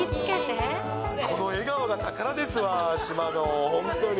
この笑顔が宝ですわ、島の、本当に。